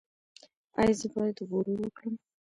ایا زه باید غرور وکړم؟